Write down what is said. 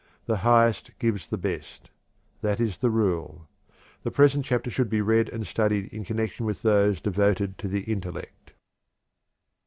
The highest gives the best that is the rule. The present chapter should be read and studied in connection with those devoted to the intellect.